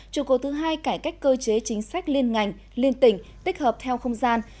trụ cột thứ hai cải cách cơ chế chính sách liên ngành liên tỉnh tích hợp theo không gian